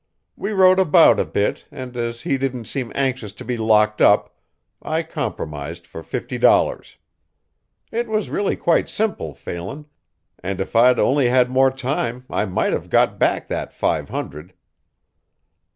We rode about a bit and as he didn't seem anxious to be locked up, I compromised for fifty dollars. It was really quite simple, Phelan, and if I'd only had more time I might have got back that five hundred."